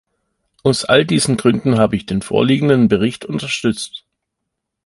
Aus all diesen Gründen habe ich den vorliegenden Bericht unterstützt.